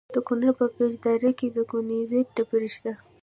د کونړ په پيچ دره کې د کونزیټ ډبرې شته.